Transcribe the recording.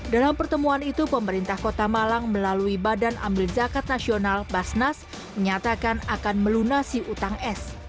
dalam pertemuan itu pemerintah kota malang melalui badan ambil zakat nasional basnas menyatakan akan melunasi utang s